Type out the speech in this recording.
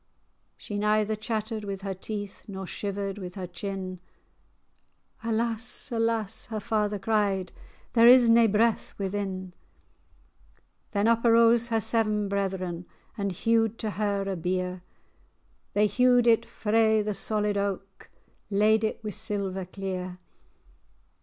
She neither chattered with her teeth, Nor shivered with her chin; "Alas! alas!" her father cried, "There is nae breath within." Then up arose her seven brethren, And hewed to her a bier; They hewed it frae the solid aik,[#] Laid it o'er wi' silver clear.